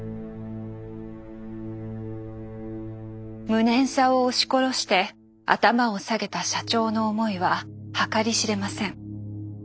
無念さを押し殺して頭を下げた社長の思いは計り知れません。